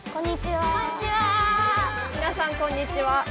みなさんこんにちは。